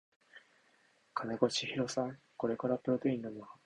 金子千尋さんこれからプロテイン飲むわ